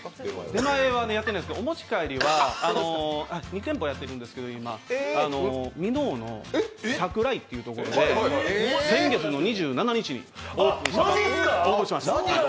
出前はやってないですけどお持ち帰りは今、２店舗やってるんですけど箕面の桜井っていうところで、先月の２７日にオープンしました。